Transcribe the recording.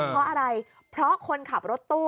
เพราะอะไรเพราะคนขับรถตู้